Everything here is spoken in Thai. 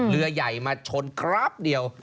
เรือใหญ่มาชนครับเดียว